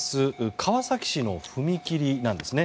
川崎市の踏切なんですね。